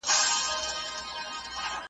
ړوند سړی په یوه ښار کي اوسېدلی .